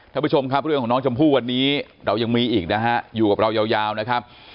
ท่านผู้ชมครับเรื่องของน้องชมพู่วันนี้เรายังมีอีกนะฮะอยู่กับเรายาวนะครับ